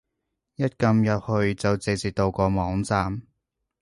一撳入去就直接到個網站